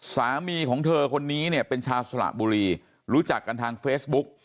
สามีของเธอคนนี้เนี่ยเป็นชาวสระบุรีรู้จักกันทางเฟซบุ๊ก